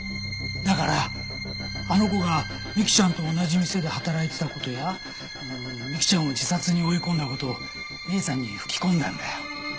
だからあの子が美希ちゃんと同じ店で働いてた事や美希ちゃんを自殺に追い込んだ事を姉さんに吹き込んだんだよ。